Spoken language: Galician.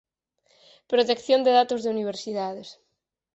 protección de datos de universidades